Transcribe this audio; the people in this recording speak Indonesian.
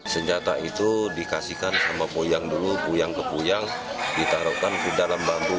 senjata itu dikasihkan sama puyang dulu puyang ke puyang ditaruhkan ke dalam bambu